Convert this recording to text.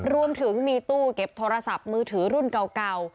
รวมถึงมีตู้เก็บโทรศัพท์มือถือรุ่นเก่า